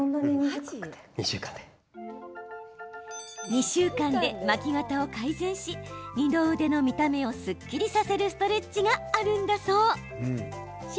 ２週間で巻き肩を改善し二の腕の見た目をすっきりさせるストレッチがあるんだそう。